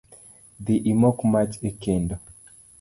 Dhi imok mach e kendo